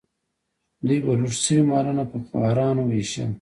دوی به لوټ شوي مالونه په خوارانو ویشل.